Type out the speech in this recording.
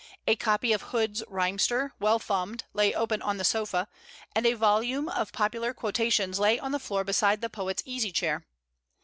A copy of Hood's Rhymster, well thumbed, lay open on the sofa, and a volume of popular quotations lay on the floor beside the poet's easy chair.